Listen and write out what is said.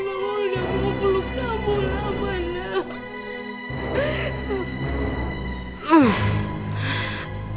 mama udah mau peluk kamu lama